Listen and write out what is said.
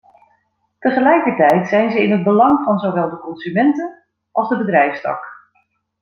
Tegelijkertijd zijn ze in het belang van zowel de consumenten als de bedrijfstak.